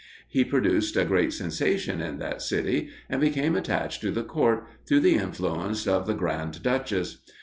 He produced a great sensation in that city, and became attached to the Court, through the influence of the Grand Duchess.